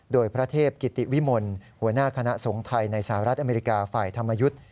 โดยพระเทพกิติวิมลหัวหน้าคณะสงฆ์ไทยในสหรัฐอเมริกาฝ่ายธรรมยุทธ์